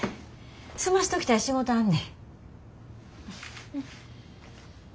済ましときたい仕事あんね。